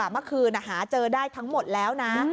เมื่อคืนหาเจอได้ทั้งหมดแล้วนะ